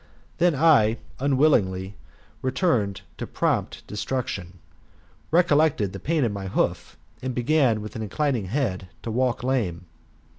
Then I, unwillingly returning to prompt destruction, recollected the pain of my hoof, and began, with^ an inclining head, to walk lame.